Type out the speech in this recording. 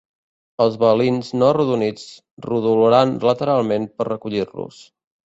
Els balins no arrodonits rodolaran lateralment per recollir-los.